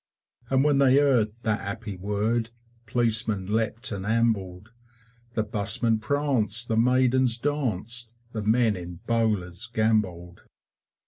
And when they heard that happy word, Policemen leapt and ambled: The busmen pranced, the maidens danced, The men in bowlers gambolled.